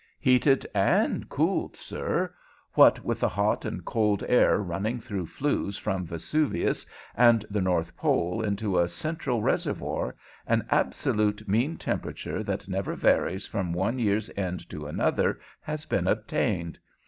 "Heated and cooled, sir. What with the hot and cold air running through flues from Vesuvius and the north pole into a central reservoir, an absolute mean temperature that never varies from one year's end to another has been obtained.